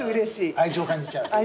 愛情を感じちゃう？